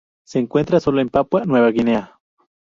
Se encuentra sólo en Papúa Nueva Guinea.